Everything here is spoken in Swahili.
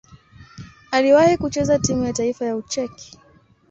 Aliwahi kucheza timu ya taifa ya Ucheki.